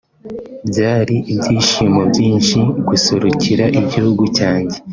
byari ibyishimo byinshi guserukira igihugu cyanjye